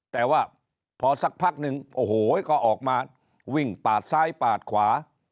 แต่ว่าพอสักพักหนึ่งโอ้โหก็ออกมาวิ่งปาดซ้ายปาดขวา